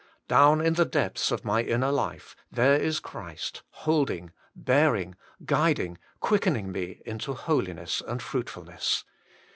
Down in the depths of my inner life, there is Christ holding, bearing, guiding, quickening me into holiness and fruitfulness.